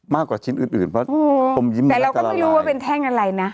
มากกว่าชิ้นอื่นอื่นเพราะอมยิ้มแต่เราก็ไม่รู้ว่าเป็นแท่งอะไรนะ